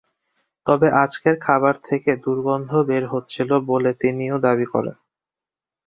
তবে আজকের খাবার থেকে দুর্গদ্ধ বের হচ্ছিল বলেও তিনি দাবি করেন।